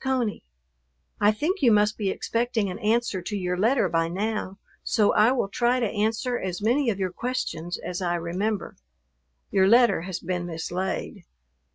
CONEY, I think you must be expecting an answer to your letter by now, so I will try to answer as many of your questions as I remember. Your letter has been mislaid.